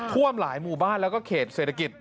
ท่วมหลายหมู่บ้านแล้วก็เขตเศรษฐกิจ